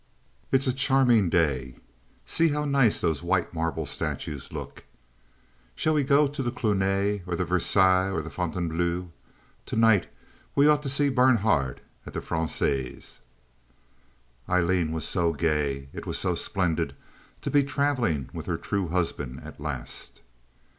"It's a charming day. See how nice those white marble statues look. Shall we go to the Cluny or Versailles or Fontainbleau? To night we ought to see Bernhardt at the Francaise." Aileen was so gay. It was so splendid to be traveling with her true husband at last.